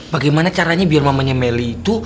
bagaimana caranya biar mamanya melly itu